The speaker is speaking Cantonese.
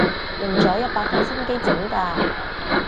用咗一百分心機整㗎